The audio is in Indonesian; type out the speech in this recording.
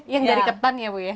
yang dari ketan ya bu ya